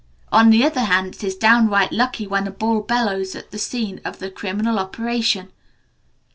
On the other hand, it is downright lucky when a bull bellows at the scene of the criminal operation.